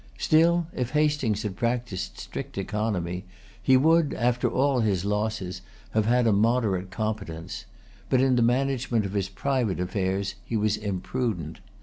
Still if Hastings had practised strict economy, he would, after all his losses, have had a moderate competence; but in the management of his private affairs he was imprudent.